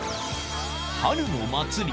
春の祭り